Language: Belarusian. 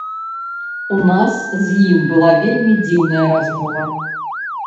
У нас з ім была вельмі дзіўная размова.